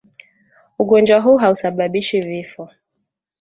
Ugonjwa huu hausababishi vifo